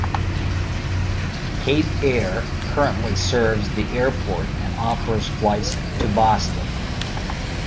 Cape Air currently serves the airport and offers flights to Boston.